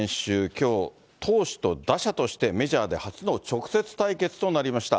きょう、投手と打者としてメジャーで初の直接対決となりました。